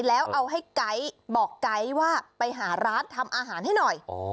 แล้วเอาให้ไก๊บอกไก๊ว่าไปหาร้านทำอาหารให้หน่อย